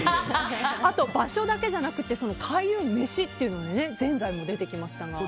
あと、場所だけじゃなくて開運メシというのもぜんざいも出てきましたが。